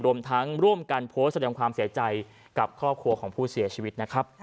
รวมทั้งร่วมกันโพสต์แสดงความเสียใจกับครอบครัวของผู้เสียชีวิตนะครับ